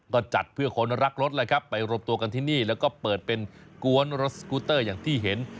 ก็จัดเพื่อคนรักรถแหละครับไปรวมตัวกันที่นี่แล้วก็เปิดเป็นกวนรถสกูเตอร์อย่างที่เห็น